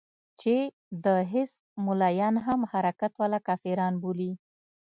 چې د حزب ملايان هم حرکت والا کافران بولي.